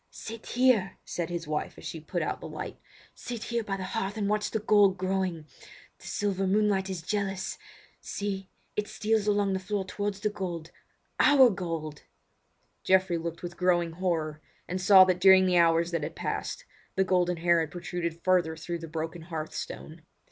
"Sit here," said his wife as she put out the light. "Sit here by the hearth and watch the gold growing. The silver moonlight is jealous! See, it steals along the floor towards the gold—our gold!" Geoffrey looked with growing horror, and saw that during the hours that had passed the golden hair had protruded further through the broken hearth stone.